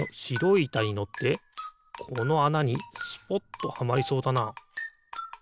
いたにのってこのあなにスポッとはまりそうだな。